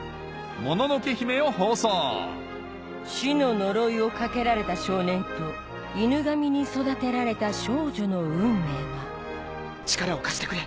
『もののけ姫』を放送死の呪いをかけられた少年と犬神に育てられた少女の運命は力を貸してくれ。